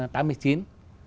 tám mươi chín